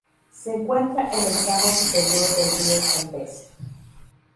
Se encuentra en el tramo superior del río Zambeze.